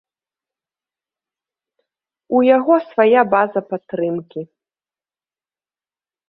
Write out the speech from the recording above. У яго свая база падтрымкі.